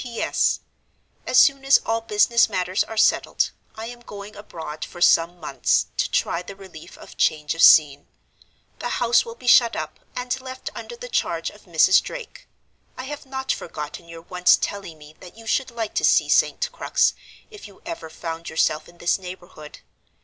"P. S.—As soon as all business matters are settled, I am going abroad for some months, to try the relief of change of scene. The house will be shut up, and left under the charge of Mrs. Drake. I have not forgotten your once telling me that you should like to see St. Crux, if you ever found yourself in this neighborhood.